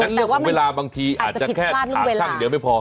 เรื่องของเวลาบางทีอาจจะแค่ถามช่างเดียวไม่พอ